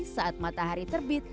saat matahari terbit